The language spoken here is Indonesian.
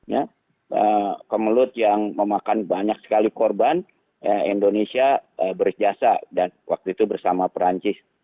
ya kemelut yang memakan banyak sekali korban indonesia berjasa dan waktu itu bersama perancis